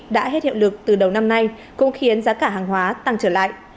đã hết hiệu lực từ đầu năm nay cũng khiến giá cả hàng hóa tăng trở lại